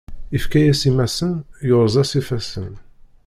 Ifka-yas imassen, yurez-as ifassen.